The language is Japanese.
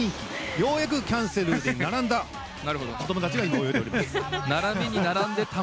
ようやくキャンセルで並んだ子供たちが今、泳いでおるわけです。